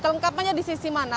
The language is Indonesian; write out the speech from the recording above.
kelengkapannya di sisi mana